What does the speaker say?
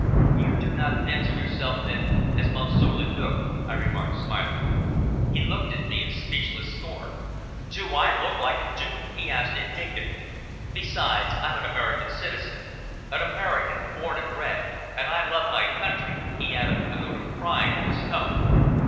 "You do not fancy yourself, then, as Monsieur le Duc," I remarked smiling. He looked at me in speechless scorn. "Do I look like a duke?" he asked indignantly. "Besides, I'm an American citizen, an American born and bred, and I love my country," he added with a note of pride in his tone.